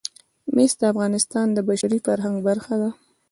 مس د افغانستان د بشري فرهنګ برخه ده.